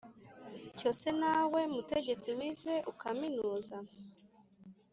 cyo se na we mutegetsi wize ukaminuza